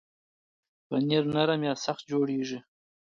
پنېر نرم یا سخت جوړېږي.